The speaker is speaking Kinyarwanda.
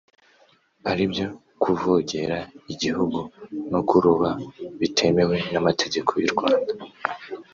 ari byo kuvogera igihugu no kuroba bitemewe n’amategeko y’u Rwanda